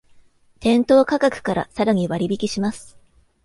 店頭価格からさらに割引します